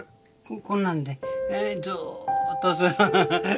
こんなんでずっとする。